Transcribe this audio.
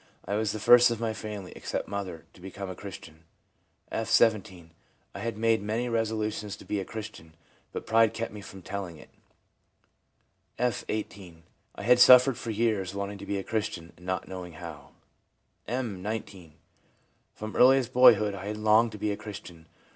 I was the first of my family, except mother, to become a Christian/ F., 17. ' I had made many resolutions to be a Christian, but pride kept me from telling it/ F., 18. ' I had suffered for years wanting to be a Christian, and not knowing how/ M., 19. * From earliest boyhood I had longed to be a Christian.